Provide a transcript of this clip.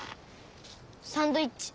サンドイッチ。